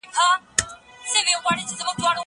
مړۍ د مور له خوا خوراک کيږي.